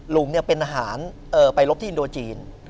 ลุงเป็นอาหารไปรบที่อินโดจีน